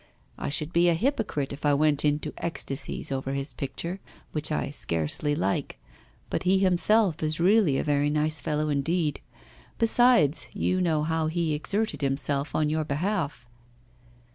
'I should be a hypocrite if I went into ecstasies over his picture, which I scarcely like; but he himself is really a very nice fellow indeed. Besides, you know how he exerted himself on your behalf.